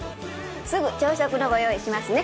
すぐ朝食のご用意しますね。